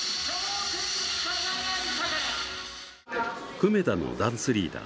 久米田のダンスリーダー